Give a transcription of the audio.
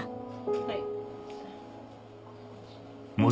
はい。